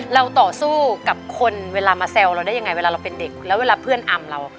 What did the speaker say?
เราต่อสู้กับคนเวลามาแซวเราได้ยังไงเวลาเราเป็นเด็กแล้วเวลาเพื่อนอำเรา